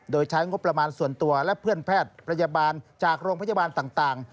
โดยใช้งบประมาณส่วนตัวและเพื่อนแพทย์พยาบาลจากโรงพยาบาลต่าง